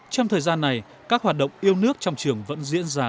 trong thời gian này các hoạt động yêu nước trong trường vẫn diễn ra